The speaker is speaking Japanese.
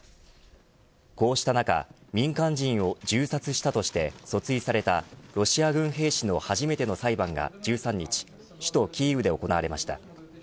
こうした中民間人を銃殺したとして訴追されたロシア軍兵士の初めての裁判が１３日首都キーウで行われました。